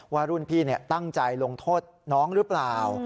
ว่ารุ่นพี่ตั้งใจลงโทษน้องหรือเปล่า